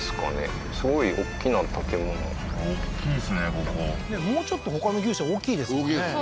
ここもうちょっとほかの牛舎大きいですもんね